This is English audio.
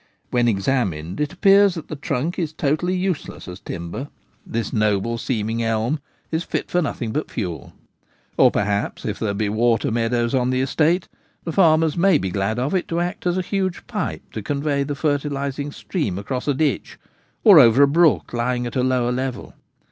When examined, it appears that the trunk is totally useless as timber: this noble seeming elm is fit for nothing but fuel. Or, perhaps, if there be water meadows on the estate, the farmers may be glad of it to act as a huge pipe to convey the fertilising stream across a ditch, or over a brook lying at a lower level.